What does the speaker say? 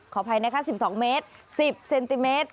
อภัยนะคะ๑๒เมตร๑๐เซนติเมตร